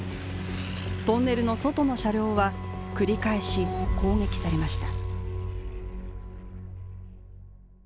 トンネルの外の車両は繰り返し攻撃されました